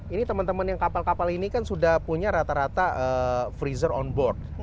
ini teman teman yang kapal kapal ini kan sudah punya rata rata freezer on board